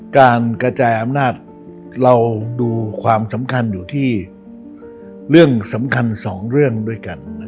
การกระจายอำนาจเราดูความสำคัญอยู่ที่เรื่องสำคัญสองเรื่องด้วยกัน